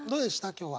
今日は。